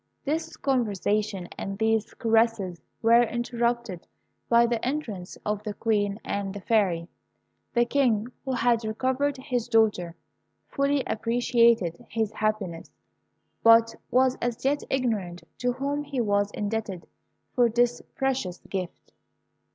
This conversation and these caresses were interrupted by the entrance of the Queen and the Fairy. The King, who had recovered his daughter, fully appreciated his happiness, but was as yet ignorant to whom he was indebted for this precious gift.